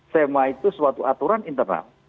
sema itu suatu aturan internal